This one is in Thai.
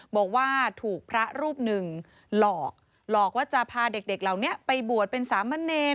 บอกว่าถูกพระรูปหนึ่งหลอกหลอกว่าจะพาเด็กเหล่านี้ไปบวชเป็นสามเณร